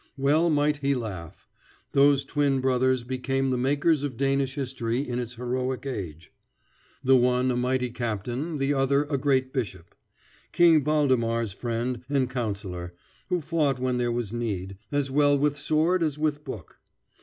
Well might he laugh. Those twin brothers became the makers of Danish history in its heroic age; the one a mighty captain, the other a great bishop, King Valdemar's friend and counsellor, who fought when there was need "as well with sword as with book."